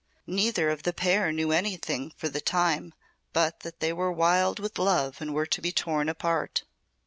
"Neither of the pair knew anything for the time but that they were wild with love and were to be torn apart."